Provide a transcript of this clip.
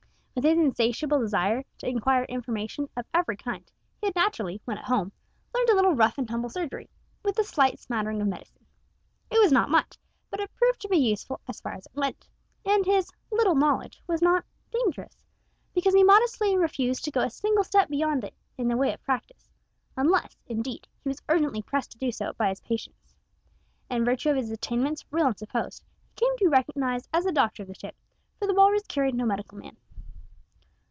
With his insatiable desire to acquire information of every kind, he had naturally, when at home, learned a little rough and tumble surgery, with a slight smattering of medicine. It was not much, but it proved to be useful as far as it went, and his "little knowledge" was not "dangerous," because he modestly refused to go a single step beyond it in the way of practice, unless, indeed, he was urgently pressed to do so by his patients. In virtue of his attainments, real and supposed, he came to be recognised as the doctor of the ship, for the Walrus carried no medical man.